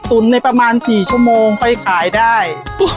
ตุ๋นในประมาณ๔ชั่วโมงไปขายได้